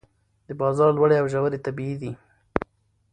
د بازار لوړې او ژورې طبیعي دي.